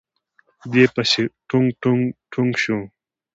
دې پسې ټونګ ټونګ ټونګ شو.